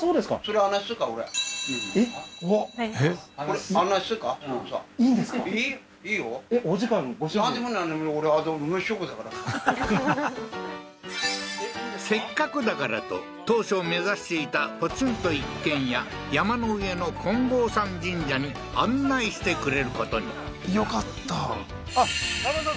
ははははっふふふふっせっかくだからと当初目指していたポツンと一軒家山の上の金剛山神社に案内してくれることによかった難波さん